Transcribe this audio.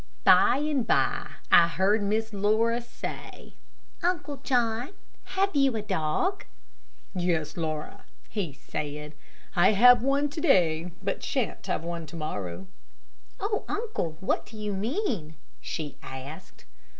By and by, I heard Miss Laura say: "Uncle John, have you a dog?" "Yes, Laura," he said; "I have one to day, but I sha'n't have one to morrow." "Oh, uncle, what do you mean?" she asked.